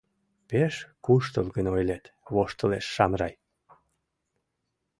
— Пеш куштылгын ойлет, — воштылеш Шамрай.